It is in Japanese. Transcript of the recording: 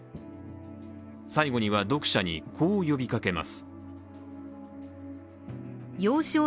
最後には読者にこう呼びかけます。